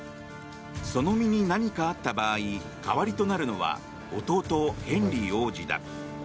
その身に何かあった場合代わりとなるのは弟ヘンリー王子だ。